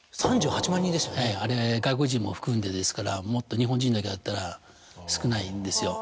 あれ外国人も含んでですからもっと日本人だけだったら少ないんですよ。